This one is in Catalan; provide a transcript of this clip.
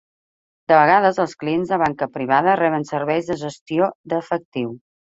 De vegades, els clients de banca privada reben serveis de gestió d'efectiu.